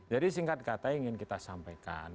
jadi singkat kata ingin kita sampaikan